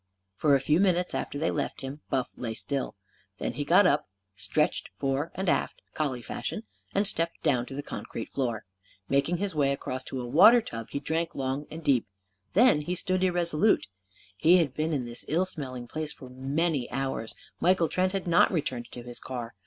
For a few minutes after they left him, Buff lay still. Then he got up, stretched fore and aft, collie fashion, and stepped down to the concrete floor. Making his way across to a water tub, he drank long and deep. Then he stood irresolute. He had been in this ill smelling place for many hours. Michael Trent had not returned to his car.